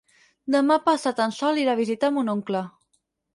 Demà passat en Sol irà a visitar mon oncle.